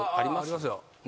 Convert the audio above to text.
ありますよ。